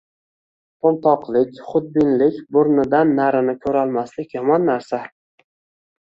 To‘mtoqlik, xudbinlik, burnidan narini ko‘rolmaslik yomon narsa.